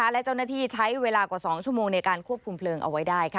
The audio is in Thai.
และเจ้าหน้าที่ใช้เวลากว่า๒ชั่วโมงในการควบคุมเพลิงเอาไว้ได้